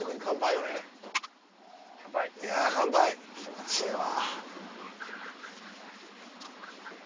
いや乾杯気持ちええわ。